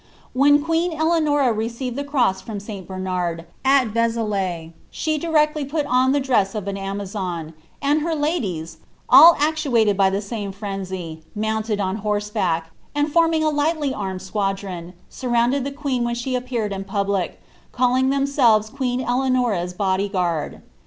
When queen ElcaatKi received the cross from St. Bernard, ut Vezalai, she directly put on lb drees of an Amazon ; and her ladies, all actuated by the fiune freia;: mounted on horseback, and forming a lightly armed squadron, nu rounded the queen when she appeared in public, calliiig tLemwln) queen Eleanora^s body guard.